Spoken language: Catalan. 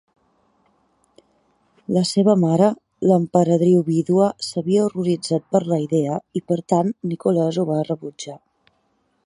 La seva mare, l'emperadriu vídua, s'havia horroritzat per la idea, i per tant, Nicholas ho va rebutjar.